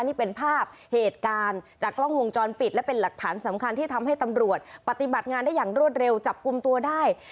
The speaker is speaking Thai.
นี่เป็นภาพเหตุการณ์จากกล้องวงจรปิดและเป็นหลักฐานสำคัญที่ทำให้ตำรวจปฏิบัติงานได้อย่างรวดเร็วจับกลุ่มตัวได้